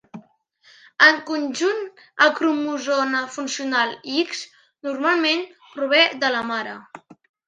En conjunt, el cromosoma funcional X normalment prové de la mare.